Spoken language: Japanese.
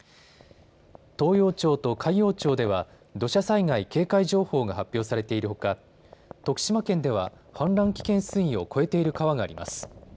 東洋町と海陽町では土砂災害警戒情報が発表されているほか徳島県では氾濫危険水位を超えている川があります。